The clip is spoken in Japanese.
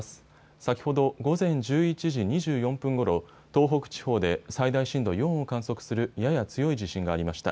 先ほど午前１１時２４分ごろ、東北地方で最大震度４を観測するやや強い地震がありました。